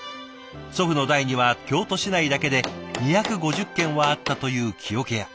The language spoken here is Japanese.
祖父の代には京都市内だけで２５０軒はあったという木桶屋。